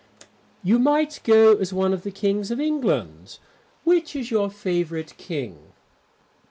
"You might go as one of the Kings of England. Which is your favourite King?"